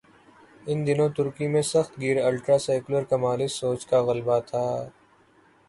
ان دنوں ترکی میں سخت گیر الٹرا سیکولر کمالسٹ سوچ کا غلبہ تھا۔